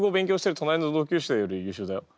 隣の同級生より優秀だよ。